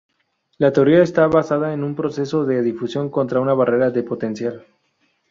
La teoría está basada en un proceso de difusión contra una barrera de potencial.